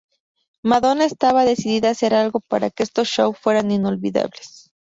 Madonna estaba decidida a hacer algo para que estos shows fueran inolvidables.